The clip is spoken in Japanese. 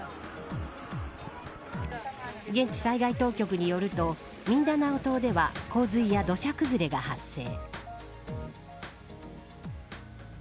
現地災害当局によるとミンダナオ島では洪水や土砂崩れが発生。